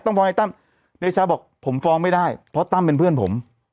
ฟ้องในตั้มเดชาบอกผมฟ้องไม่ได้เพราะตั้มเป็นเพื่อนผม